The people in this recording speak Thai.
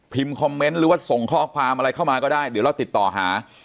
คอมเมนต์หรือว่าส่งข้อความอะไรเข้ามาก็ได้เดี๋ยวเราติดต่อหา